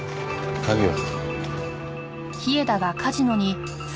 鍵は？